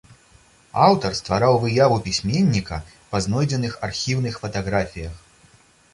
Аўтар ствараў выяву пісьменніка па знойдзеных архіўных фатаграфіях.